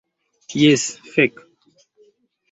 Jes, fek.